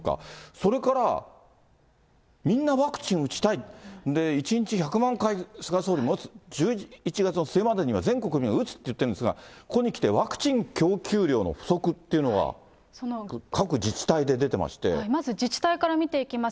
それからみんなワクチン打ちたい、１日１００万回、菅総理も打つ、１１月の末までには全国民打つって言ってるんですが、ここにきてワクチン供給量の不足っていうのは、各自治体で出てままず自治体から見ていきます。